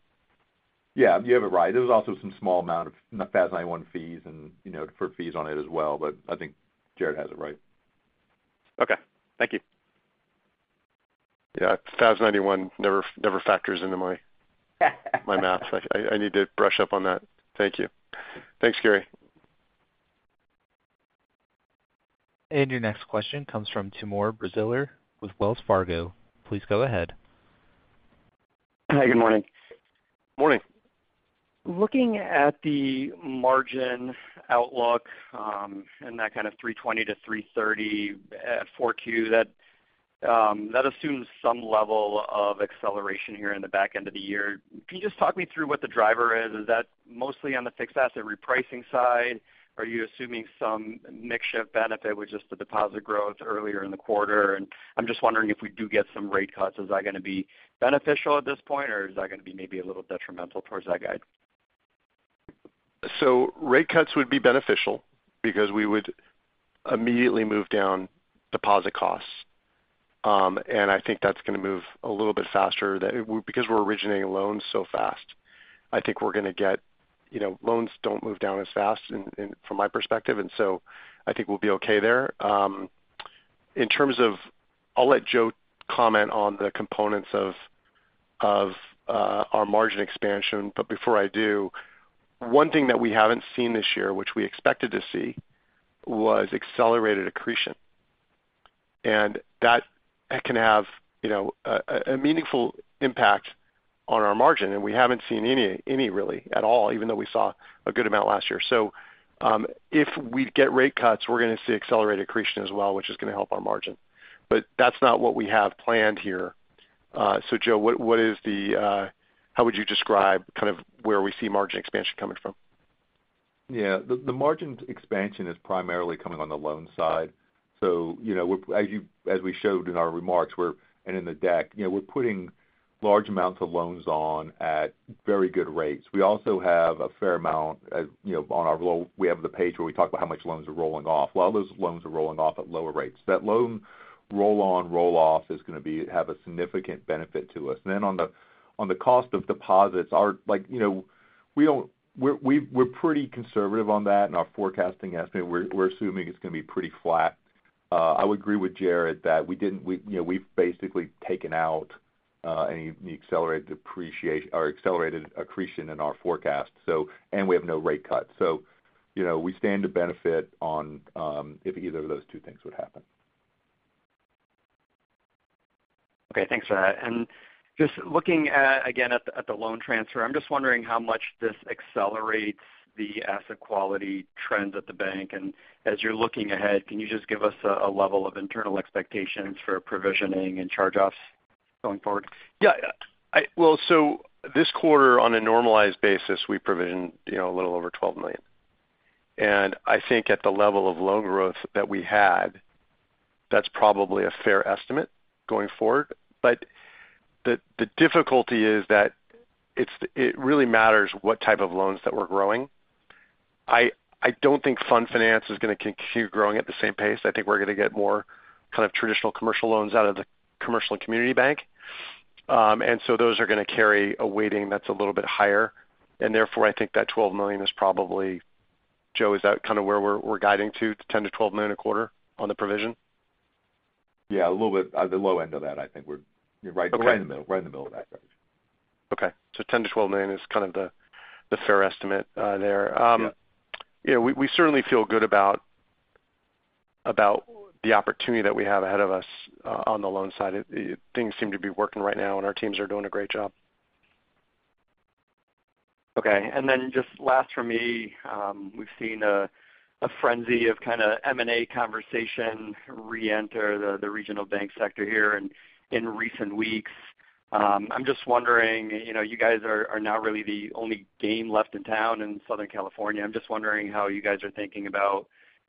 Yeah, you have it right. There was also some small amount of FAS 91 fees and, you know, for fees on it as well. I think Jared has it right. Okay, thank you. Yeah, FAS 91 never factors into my math. I need to brush up on that. Thank you. Thanks, Gary. Your next question comes from Timur Braziler with Wells Fargo. Please go ahead. Hi, good morning. Morning. Looking at the margin outlook and that kind of 3.20%-3.30% 4Q, that assumes some level of acceleration here in the back end of the year. Can you just talk me through what the driver is? Is that mostly on the fixed asset repricing side? Are you assuming some mix-shift benefit with just the deposit growth earlier in the quarter? I'm just wondering if we do get some rate cuts, is that going to be beneficial at this point, or is that going to be maybe a little detrimental towards that guide? Rate cuts would be beneficial because we would immediately move down deposit costs. I think that's going to move a little bit faster because we're originating loans so fast. I think we're going to get, you know, loans don't move down as fast from my perspective. I think we'll be okay there. In terms of, I'll let Joe comment on the components of our margin expansion. Before I do, one thing that we haven't seen this year, which we expected to see, was accelerated accretion. That can have a meaningful impact on our margin. We haven't seen any, really, at all, even though we saw a good amount last year. If we get rate cuts, we're going to see accelerated accretion as well, which is going to help our margin. That's not what we have planned here. Joe, what is the, how would you describe kind of where we see margin expansion coming from? Yeah, the margin expansion is primarily coming on the loan side. As we showed in our remarks and in the deck, we're putting large amounts of loans on at very good rates. We also have a fair amount on our roll; we have the page where we talk about how much loans are rolling off. A lot of those loans are rolling off at lower rates. That loan roll-on, roll-off is going to have a significant benefit to us. On the cost of deposits, we're pretty conservative on that in our forecasting estimate. We're assuming it's going to be pretty flat. I would agree with Jared that we've basically taken out any accelerated appreciation or accelerated accretion in our forecast, and we have no rate cut. We stand to benefit if either of those two things would happen. Okay, thanks, Jared. Just looking again at the loan transfer, I'm just wondering how much this accelerates the asset quality trends at the bank. As you're looking ahead, can you just give us a level of internal expectations for provisioning and charge-offs going forward? This quarter, on a normalized basis, we provisioned a little over $12 million. I think at the level of loan growth that we had, that's probably a fair estimate going forward. The difficulty is that it really matters what type of loans that we're growing. I don't think Fund Finance is going to continue growing at the same pace. I think we're going to get more kind of traditional commercial loans out of the commercial and community bank. Those are going to carry a weighting that's a little bit higher. Therefore, I think that $12 million is probably, Joe, is that kind of where we're guiding to, $10 to $12 million a quarter on the provision? Yeah, a little bit at the low end of that, I think we're right in the middle of that. Okay. $10 to $12 million is kind of the fair estimate there. We certainly feel good about the opportunity that we have ahead of us on the loan side. Things seem to be working right now, and our teams are doing a great job. Okay. Just last for me, we've seen a frenzy of kind of M&A conversation reenter the regional bank sector here in recent weeks. I'm just wondering, you know, you guys are now really the only game left in town in Southern California. I'm just wondering how you guys are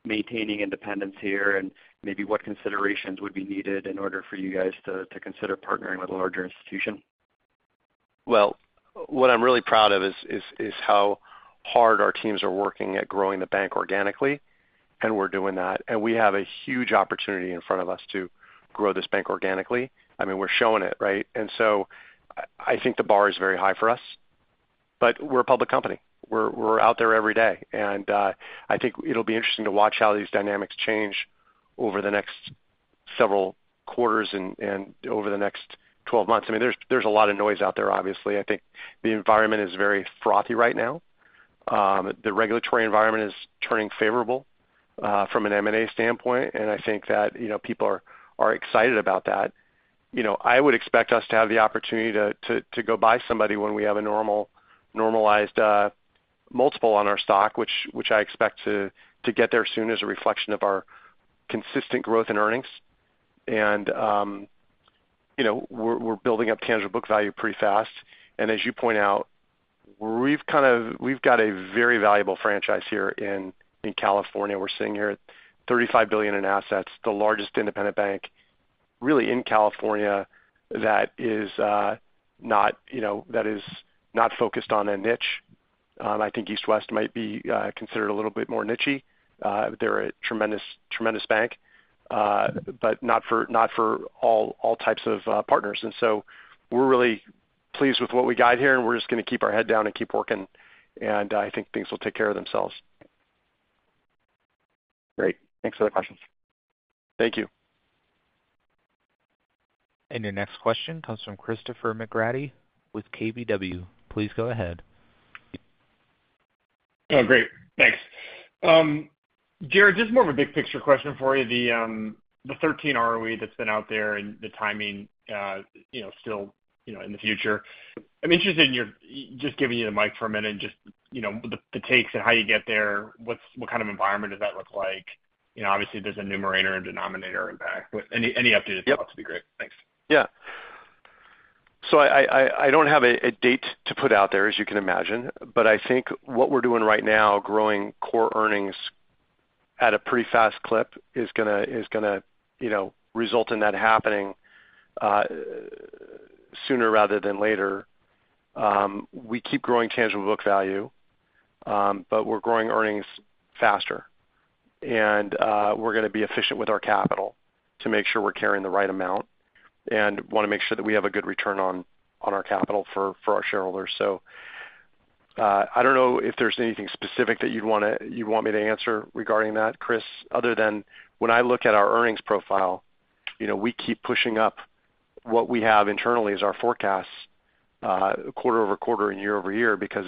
thinking about maintaining independence here and maybe what considerations would be needed in order for you guys to consider partnering with a larger institution. What I'm really proud of is how hard our teams are working at growing the bank organically, and we're doing that. We have a huge opportunity in front of us to grow this bank organically. I mean, we're showing it, right? I think the bar is very high for us. We're a public company. We're out there every day. I think it'll be interesting to watch how these dynamics change over the next several quarters and over the next 12 months. There's a lot of noise out there, obviously. I think the environment is very frothy right now. The regulatory environment is turning favorable from an M&A standpoint. I think that, you know, people are excited about that. I would expect us to have the opportunity to go buy somebody when we have a normal normalized multiple on our stock, which I expect to get there soon as a reflection of our consistent growth in earnings. You know, we're building up tangible book value pretty fast. As you point out, we've got a very valuable franchise here in California. We're sitting here at $35 billion in assets, the largest independent bank really in California that is not, you know, that is not focused on a niche. I think East West Bank might be considered a little bit more nichey. They're a tremendous, tremendous bank, but not for all types of partners. We're really pleased with what we got here, and we're just going to keep our head down and keep working. I think things will take care of themselves. Great. Thanks for the questions. Thank you. Your next question comes from Christopher McGratty with KBW. Please go ahead. Yeah, great. Thanks. Jared, just more of a big picture question for you. The 13% ROE that's been out there and the timing, you know, still, you know, in the future. I'm interested in your just giving you the mic for a minute and just, you know, the takes and how you get there. What kind of environment does that look like? You know, obviously, there's a numerator and denominator impact. Any updated thoughts would be great. Thanks. I don't have a date to put out there, as you can imagine. I think what we're doing right now, growing core earnings at a pretty fast clip, is going to result in that happening sooner rather than later. We keep growing tangible book value, but we're growing earnings faster. We're going to be efficient with our capital to make sure we're carrying the right amount and want to make sure that we have a good return on our capital for our shareholders. I don't know if there's anything specific that you'd want me to answer regarding that, Chris, other than when I look at our earnings profile, we keep pushing up what we have internally as our forecasts quarter-over quarter and year over year because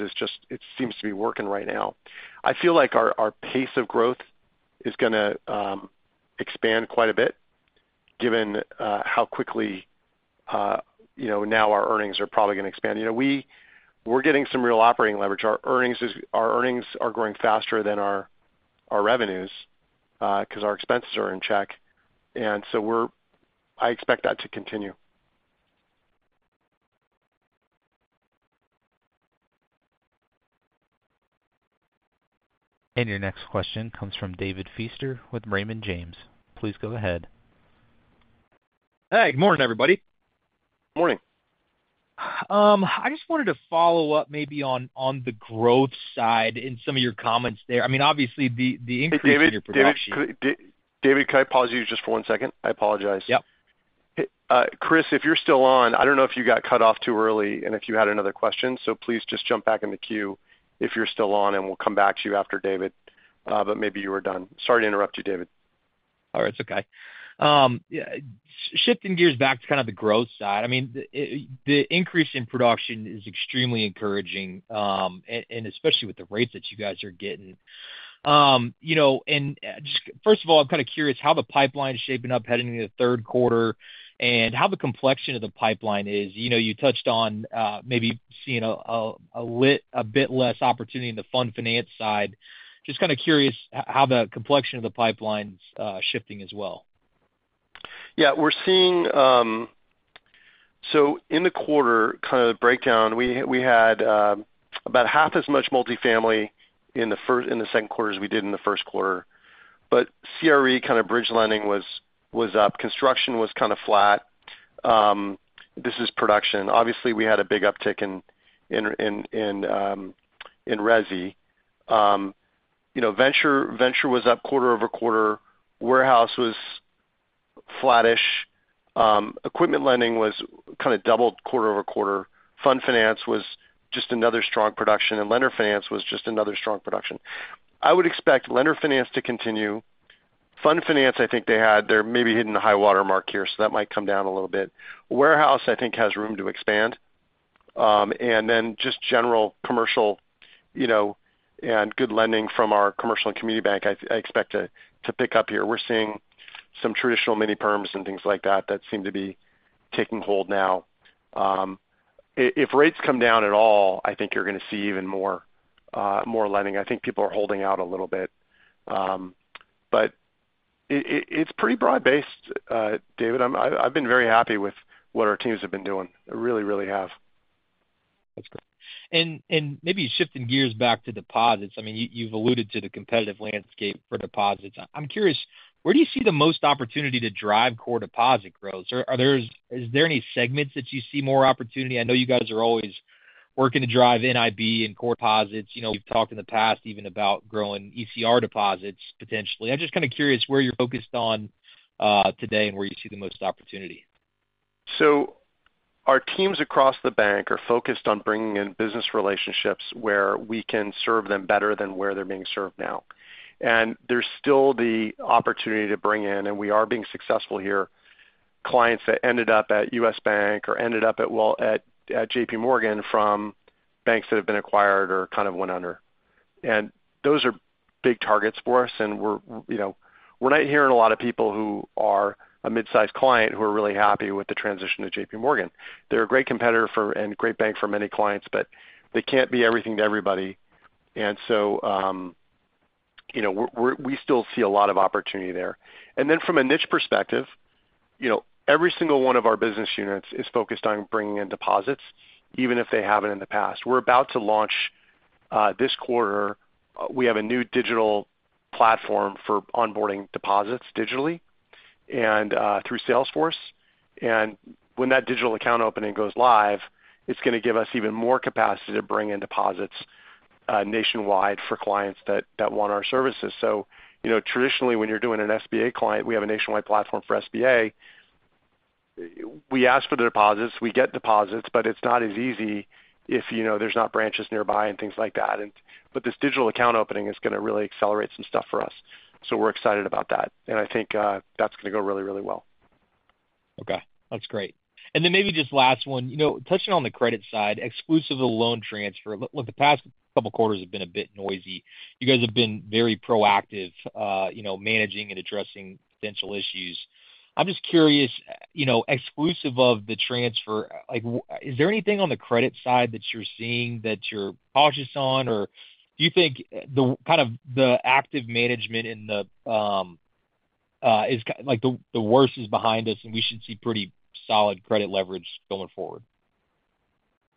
it seems to be working right now. I feel like our pace of growth is going to expand quite a bit, given how quickly now our earnings are probably going to expand. We're getting some real operating leverage. Our earnings are growing faster than our revenues because our expenses are in check. I expect that to continue. Your next question comes from David Feaster with Raymond James. Please go ahead. Hey, good morning, everybody. Morning. I just wanted to follow up maybe on the growth side in some of your comments there. Obviously, the increase in your projection. David, can I pause you just for one second? I apologize. Yeah. Chris, if you're still on, I don't know if you got cut off too early and if you had another question. Please just jump back in the queue if you're still on, and we'll come back to you after David. Maybe you were done. Sorry to interrupt you, David. Oh, that's okay. Shifting gears back to kind of the growth side, the increase in production is extremely encouraging, especially with the rates that you guys are getting. First of all, I'm kind of curious how the pipeline is shaping up heading into the third quarter and how the complexion of the pipeline is. You touched on maybe seeing a bit less opportunity in the Fund Finance side. Just kind of curious how the complexion of the pipeline is shifting as well. Yeah, we're seeing, so in the quarter, kind of the breakdown, we had about half as much multifamily in the second quarter as we did in the first quarter. CRE kind of bridge lending was up. Construction was kind of flat. This is production. Obviously, we had a big uptick in resi. You know, venture was up quarter-over-quarter. Warehouse was flattish. Equipment lending was kind of doubled quarter-over-quarter. Fund Finance was just another strong production, and Lender Finance was just another strong production. I would expect Lender Finance to continue. Fund Finance, I think they had, they're maybe hitting the high watermark here, so that might come down a little bit. Warehouse, I think, has room to expand. Then just general commercial, you know, and good lending from our commercial and community bank, I expect to pick up here. We're seeing some traditional mini perms and things like that that seem to be taking hold now. If rates come down at all, I think you're going to see even more lending. I think people are holding out a little bit. It's pretty broad-based, David. I've been very happy with what our teams have been doing. I really, really have. That's great. Maybe shifting gears back to deposits, you've alluded to the competitive landscape for deposits. I'm curious, where do you see the most opportunity to drive core deposit growth? Are there any segments that you see more opportunity? I know you guys are always working to drive NII and core deposits. We've talked in the past even about growing ECR deposits potentially. I'm just kind of curious where you're focused on today and where you see the most opportunity. Our teams across the bank are focused on bringing in business relationships where we can serve them better than where they're being served now. There is still the opportunity to bring in, and we are being successful here, clients that ended up at U.S. Bank or ended up at JPMorgan from banks that have been acquired or kind of went under. Those are big targets for us. We're not hearing a lot of people who are a mid-sized client who are really happy with the transition to JPMorgan. They're a great competitor and a great bank for many clients, but they can't be everything to everybody. We still see a lot of opportunity there. From a niche perspective, every single one of our business units is focused on bringing in deposits, even if they haven't in the past. We're about to launch this quarter. We have a new digital platform for onboarding deposits digitally and through Salesforce. When that digital account opening goes live, it's going to give us even more capacity to bring in deposits nationwide for clients that want our services. Traditionally, when you're doing an SBA client, we have a nationwide platform for SBA. We ask for the deposits. We get deposits, but it's not as easy if there's not branches nearby and things like that. This digital account opening is going to really accelerate some stuff for us. We're excited about that, and I think that's going to go really, really well. Okay. That's great. Maybe just last one, touching on the credit side, exclusive of the loan transfer, the past couple of quarters have been a bit noisy. You guys have been very proactive, managing and addressing potential issues. I'm just curious, exclusive of the transfer, is there anything on the credit side that you're seeing that you're cautious on, or do you think the kind of the active management is like the worst is behind us and we should see pretty solid credit leverage going forward?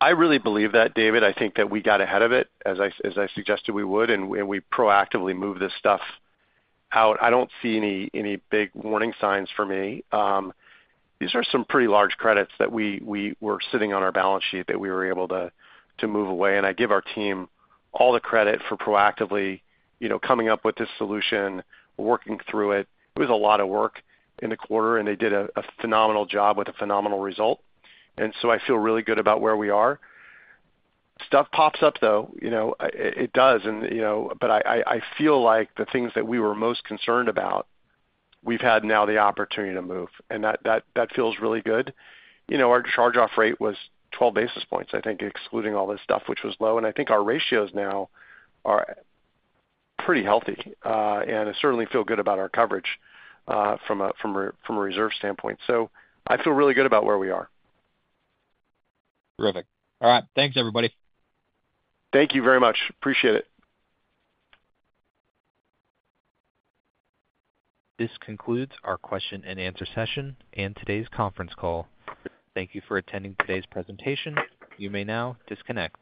I really believe that, David. I think that we got ahead of it, as I suggested we would, and we proactively moved this stuff out. I don't see any big warning signs for me. These are some pretty large credits that we were sitting on our balance sheet that we were able to move away. I give our team all the credit for proactively coming up with this solution, working through it. It was a lot of work in the quarter, and they did a phenomenal job with a phenomenal result. I feel really good about where we are. Stuff pops up, though, it does. I feel like the things that we were most concerned about, we've had now the opportunity to move. That feels really good. Our charge-off rate was 12 basis points, I think, excluding all this stuff, which was low. I think our ratios now are pretty healthy. I certainly feel good about our coverage from a reserve standpoint. I feel really good about where we are. Terrific. All right. Thanks, everybody. Thank you very much. Appreciate it. This concludes our question and answer session and today's conference call. Thank you for attending today's presentation. You may now disconnect.